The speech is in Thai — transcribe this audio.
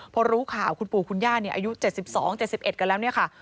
พอรู้ข่าวคุณปู่คุณย่าอายุ๗๒๗๑กันแล้วเนี่ยค่ะ